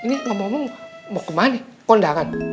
ini ngomong mau kemana kondakan